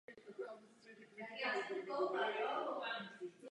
Vrátit se ze strachu o svůj život však nechce.